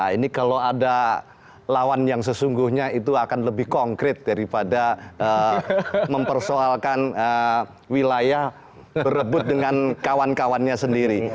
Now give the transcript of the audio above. ini kalau ada lawan yang sesungguhnya itu akan lebih konkret daripada mempersoalkan wilayah berebut dengan kawan kawannya sendiri